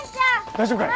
大丈夫かい？